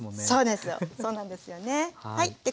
そうなんですよねはい。